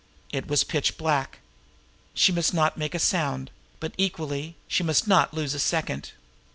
It was pitch black. She must not make a sound; but, equally, she must not lose a second.